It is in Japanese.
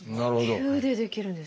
呼吸でできるんですね。